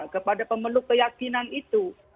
kepada pemeluk keyakinan itu